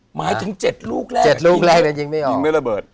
หมายถึงเจ็ดลูกแรกยิงไม่ระเบิด